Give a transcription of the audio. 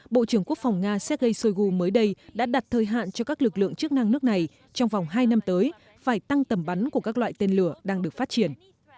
bộ trưởng quốc phòng nga sergei shoigu mới đây đã đặt thời hạn cho các lực lượng chức năng nước này trong vòng hai năm tới phải tăng tầm bắn của các loại tên lửa đang được phát triển